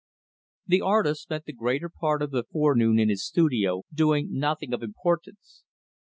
The artist spent the greater part of the forenoon in his studio, doing nothing of importance.